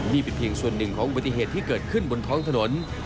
นี่เป็นเพียงส่วนหนึ่งของอุบัติเหตุที่เกิดขึ้นบนท้องถนน